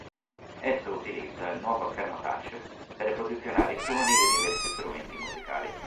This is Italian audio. Esso utilizza il nuovo schermo touch per posizionare i suoni dei diversi strumenti musicali.